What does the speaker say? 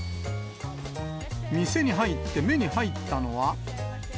店に入って目に入ったのは。